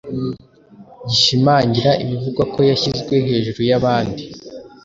gishimangira ibivugwa ko yashyizwe hejuru y’abandi